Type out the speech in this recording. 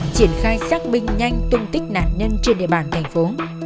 chiến khai xác binh nhanh tung tích nạn nhân trên địa bàn thành phố